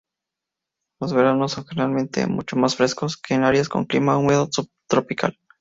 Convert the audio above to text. Los veranos son generalmente mucho más frescos que en áreas con clima húmedo subtropical.